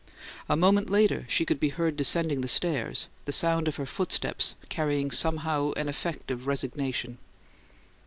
A moment later she could be heard descending the stairs, the sound of her footsteps carrying somehow an effect of resignation.